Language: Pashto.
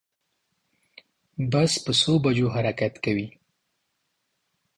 بس په څو بجو حرکت کوی